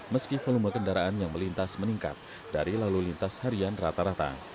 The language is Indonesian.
meski volume kendaraan yang melintas meningkat dari lalu lintas harian rata rata